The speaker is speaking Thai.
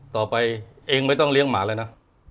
ต่อไปเองไม่ต้องเลี้ยงหมาแล้วนะ